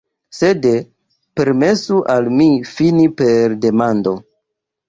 Sed permesu al mi fini per demando.